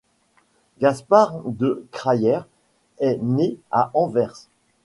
Gaspard de Crayer est né à Anvers.